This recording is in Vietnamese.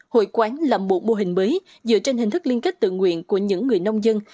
hội quán là một mô hình mới dựa trên hình thức liên kết tự nguyện của những người nông dân